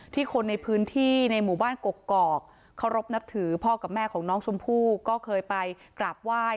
คนในพื้นที่ในหมู่บ้านกกอกเคารพนับถือพ่อกับแม่ของน้องชมพู่ก็เคยไปกราบไหว้